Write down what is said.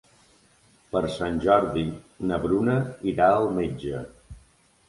Per Sant Jordi na Bruna irà al metge.